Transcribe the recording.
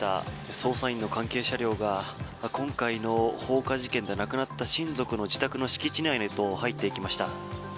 捜査員の関係車両が今回の放火事件で亡くなった親族の自宅の敷地内へと入っていきました。